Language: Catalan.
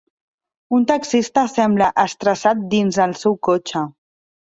Un taxista sembla estressat dins el seu cotxe.